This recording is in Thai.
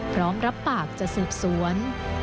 พร้อมรับปากจะสืบสวน